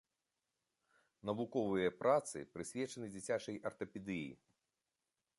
Навуковыя працы прысвечаны дзіцячай артапедыі.